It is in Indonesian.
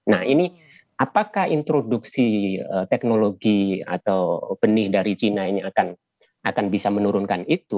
nah ini apakah introduksi teknologi atau benih dari cina ini akan bisa menurunkan itu